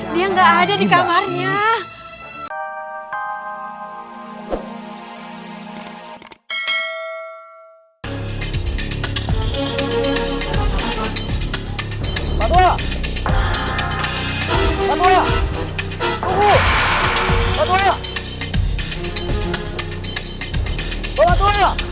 dia gak ada di kamarnya